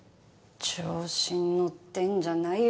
調子に乗ってんじゃないわよ！